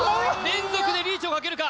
連続でリーチをかけるか？